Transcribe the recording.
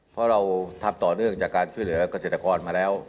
เพราะเราทำต่อเนื่องจากการช่วยเหลือกเกษตรกรมาแล้ว